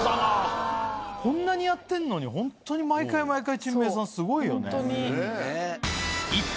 こんなにやってんのにホントに毎回毎回珍名さんすごいよね。